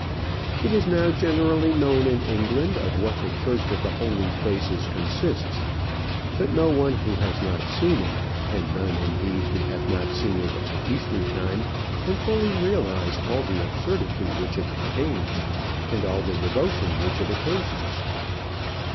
It is now generally known in England of what the church of the holy places consists; but no one who has not seen it, and none, indeed, who have not seen it at Easter time, can fully realize all the absurdity which it contains and all the devotion which it occasions.